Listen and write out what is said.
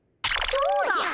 そうだ！